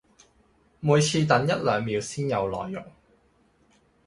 每次等一兩秒先有內容